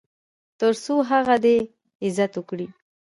تر څو هغه دې عزت وکړي .